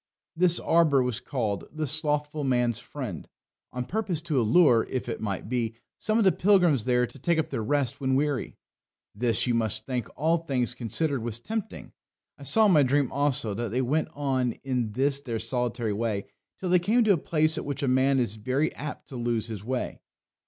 This arbour was called The Slothful Man's Friend, on purpose to allure, if it might be, some of the pilgrims there to take up their rest when weary. This, you must think, all things considered, was tempting. I saw in my dream also that they went on in this their solitary way till they came to a place at which a man is very apt to lose his way.